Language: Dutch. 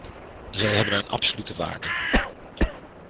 Zij hebben een absolute waarde.